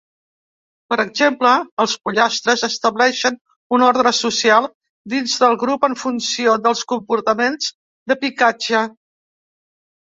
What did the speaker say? Per exemple, els pollastres estableixen un ordre social dins del grup en funció dels comportaments de picatge.